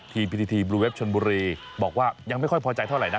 พิธีทีบลูเวฟชนบุรีบอกว่ายังไม่ค่อยพอใจเท่าไหร่นะ